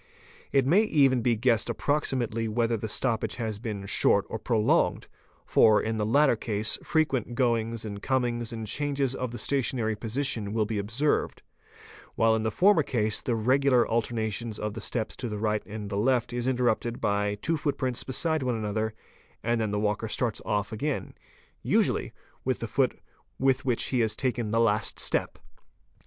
It may even be guessed approximately whether the stoppage has been short or pro longed, for, in the latter case frequent goings and comings and changes of the stationary position will be observed, while in the former case the regular alternations of the steps to the right and the left is interrupted by two footprints beside one another and then the walker starts off again, usually with the foot with which he has taken the last step.